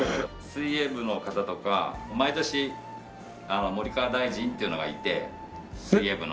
水泳部の方とか毎年もり川大臣っていうのがいて水泳部の中に。